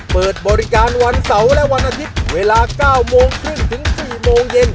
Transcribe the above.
เปิดบริการวันเสาร์และวันอาทิตย์เวลา๙โมงครึ่งถึง๔โมงเย็น